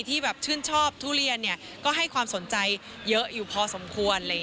ที่แบบชื่นชอบทุเรียนก็ให้ความสนใจเยอะอยู่พอสมควร